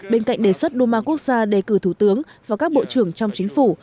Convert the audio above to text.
bên cạnh đề xuất duma quốc gia đề cử thủ tướng và các bộ trưởng trong chính phủ